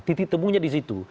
titik tebungnya di situ